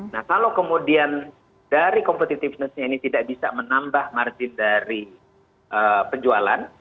nah kalau kemudian dari competitiveness nya ini tidak bisa menambah margin dari penjualan